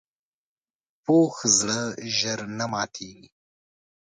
پوخ زړه ژر نه ماتیږي